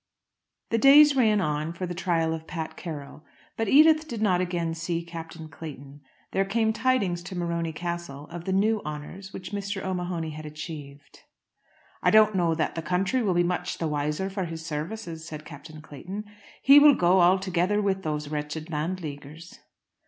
The days ran on for the trial of Pat Carroll, but Edith did not again see Captain Clayton. There came tidings to Morony Castle of the new honours which Mr. O'Mahony had achieved. "I don't know that the country will be much the wiser for his services," said Captain Clayton. "He will go altogether with those wretched Landleaguers."